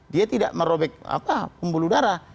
dia tidak merobek pembuluh darah